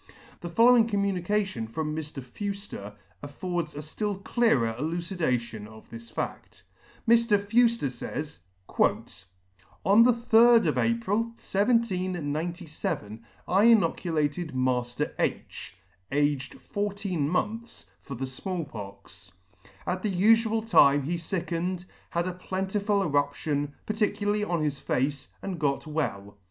The following communication from Mr. Fewfter affords a ftill clearer elucidation of this faff. — Mr. Fewffer fays, " On the 3d of April, 1797, I inoculated Mailer H aged fourteen months, for the Small Pox. At the ufual time he lickened, had a plentiful eruption, particularly on his face, and got well.